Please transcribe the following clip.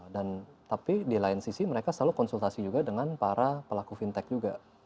dan tapi di lain sisi mereka selalu konsultasi juga dengan para pelaku fintech juga